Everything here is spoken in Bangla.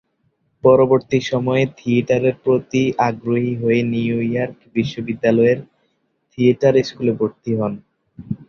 পরবর্তী সময়ে থিয়েটারের প্রতি আগ্রহী হয়ে নিউইয়র্ক বিশ্ববিদ্যালয়ের থিয়েটার স্কুলে ভর্তি হন।